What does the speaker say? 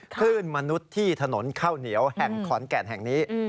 คลื่นมนุษย์ที่ถนนข้าวเหนียวแห่งขอนแก่นแห่งนี้